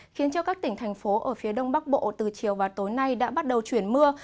khiến cho các tỉnh thành phố ở phía đông bắc bộ từ chiều và tối nay đã bắt đầu chuyển mưa